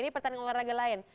ini pertandingan olahraga lain